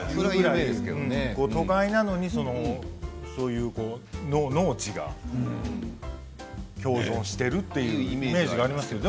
都会なのに、そういう農地が共存しているというイメージがありますよね。